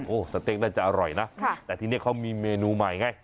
โอ้โหสเต็กน่าจะอร่อยนะแต่ทีนี้เขามีเมนูใหม่ไง